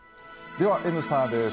では「Ｎスタ」です。